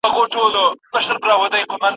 خپل یې د ټولو که ځوان که زوړ دی